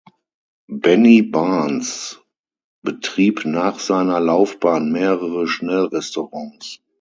Benny Barnes betrieb nach seiner Laufbahn mehrere Schnellrestaurants.